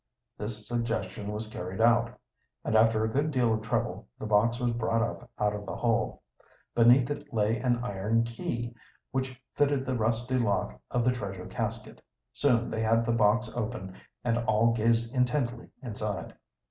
This suggestion was carried out, and after a good deal of trouble the box was brought up out of the hole. Beneath it lay an iron key, which fitted the rusty lock of the treasure casket. Soon they had the box open, and all gazed intently inside.